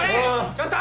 ちょっと！